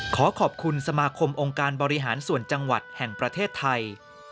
ขอขอบคุณสมาคมองค์การบริหารส่วนจังหวัดแห่งประเทศไทย